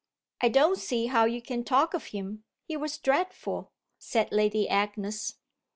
"I don't see how you can talk of him, he was dreadful," said Lady Agnes.